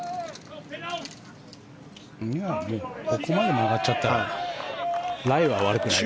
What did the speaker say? ここまで曲がっちゃったらライは悪くないです。